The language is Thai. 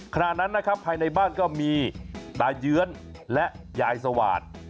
ขณะนั้นนะครับภายในบ้านก็มีตาเยื้อนและยายสวาสตร์